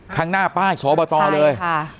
ข้างหน้าป้ายอบตเลย